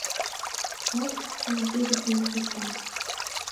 Жап шиждегычын эрта.